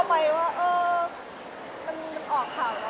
เอ๊ะไม่อะไรเลยตำกัด